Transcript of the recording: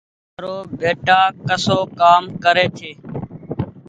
تآرو ٻيٽآ ڪسو ڪآم ڪري ڇي۔